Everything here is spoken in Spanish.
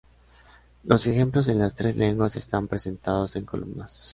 Los ejemplos en las tres lenguas están presentados en columnas.